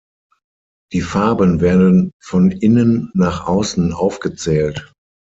Die Farben werden von innen nach außen aufgezählt.